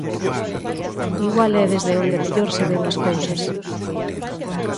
Igual é desde onde mellor se ven as cousas.